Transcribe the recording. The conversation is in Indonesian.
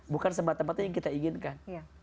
bukan semata mata yang kita inginkan